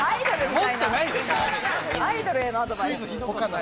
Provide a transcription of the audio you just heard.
アイドルへのアドバイス。